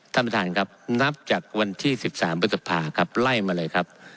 ท่านประธานครับนับจากวันที่๑๓พฤษภาครับไล่มาเลยครับ